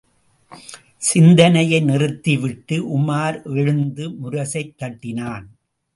சிந்தனையை நிறுத்திவிட்டு, உமார் எழுந்து முரசைத் தட்டினான்.